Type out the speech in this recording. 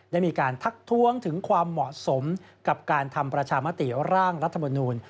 ได้มีการทักท้วงถึงความเหมาะสมกับการทำประชามติร่างรัฐมนูล